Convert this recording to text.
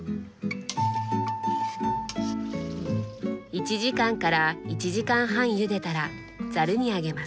１時間から１時間半ゆでたらざるにあげます。